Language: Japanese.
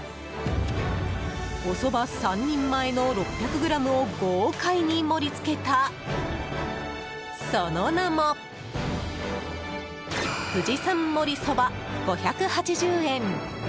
おそば３人前の６００ｇを豪快に盛り付けたその名も富士山もりそば、５８０円。